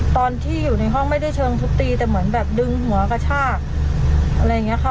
ตอนที่อยู่ในห้องไม่ได้เชิงทุบตีแต่เหมือนแบบดึงหัวกระชากอะไรอย่างนี้ค่ะ